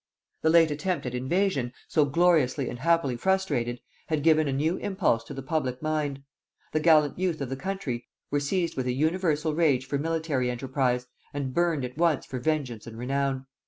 The late attempt at invasion, so gloriously and happily frustrated, had given a new impulse to the public mind; the gallant youth of the country were seized with an universal rage for military enterprise, and burned at once for vengeance and renown.